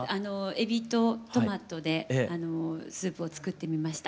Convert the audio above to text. エビとトマトでスープを作ってみました。